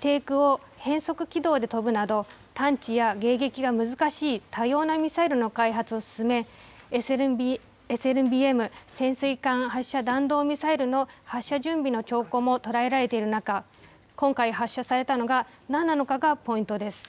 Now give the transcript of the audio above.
低空を変則軌道で飛ぶなど、探知や迎撃が難しい多様なミサイルの開発を進め、ＳＬＢＭ・潜水艦発射弾道ミサイルの発射準備の兆候も捉えられている中、今回発射されたのが、なんなのかがポイントです。